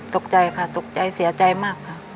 ตกใจค่ะตกใจเสียใจมากค่ะ